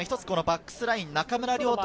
このバックスライン、中村亮